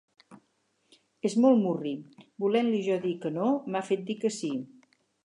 És molt murri: volent-li jo dir que no, m'ha fet dir que sí.